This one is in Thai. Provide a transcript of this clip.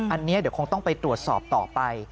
อันนี้เดี๋ยวคงต้องไปตรวจสอบต่อไป